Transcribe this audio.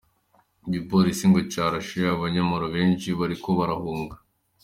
Igipolisi ngo carashe abanyororo benshi igihe bariko barahunga.